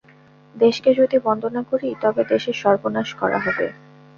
দেশকে যদি বন্দনা করি তবে দেশের সর্বনাশ করা হবে।